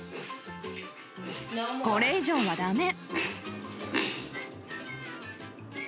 これ以上はだめ。